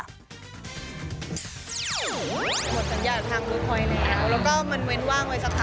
หมดสัญญาทางเวิร์คคอยน์นะครับ